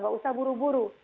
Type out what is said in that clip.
tidak usah buru buru